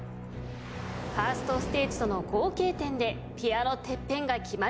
ファーストステージとの合計点でピアノＴＥＰＰＥＮが決まります。